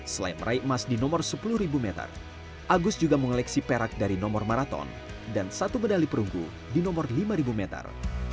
selain meraih emas di nomor sepuluh meter agus juga mengoleksi perak dari nomor maraton dan satu medali perunggu di nomor lima meter